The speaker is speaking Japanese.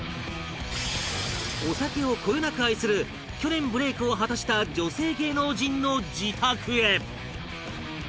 お酒をこよなく愛する去年ブレイクを果たした女性芸能人の自宅へ